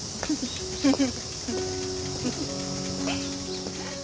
フフフ。